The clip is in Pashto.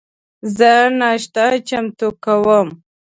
زه ناشته چمتو کوم